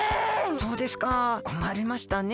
そうですかこまりましたね。